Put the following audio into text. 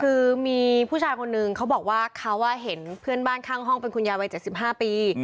คือมีผู้ชายคนนึงเขาบอกว่าเขาเห็นเพื่อนบ้านข้างห้องเป็นคุณยายวัย๗๕ปี